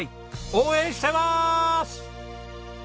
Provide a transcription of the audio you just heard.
応援してます！